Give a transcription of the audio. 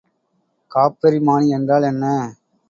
காப்பறிமானி என்றால் என்ன?